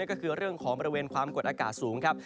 ก็คือเรื่องของบริเวณความกดอากาศสูงครับ